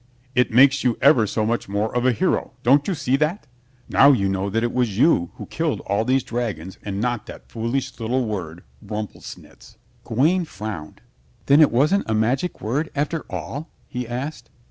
"It makes you ever so much more of a hero. Don't you see that? Now you know that it was you who killed all these dragons and not that foolish little word 'Rumplesnitz.'" Gawaine frowned. "Then it wasn't a magic word after all?" he asked.